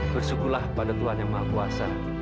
bersyukulah pada tuhan yang maha kuasa